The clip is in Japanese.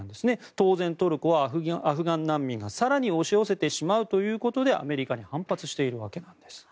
当然、トルコはアフガン難民が更に押し寄せてしまうということでアメリカに反発しているわけなんです。